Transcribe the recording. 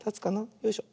よいしょ。